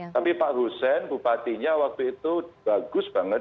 tapi pak hussein bupatinya waktu itu bagus banget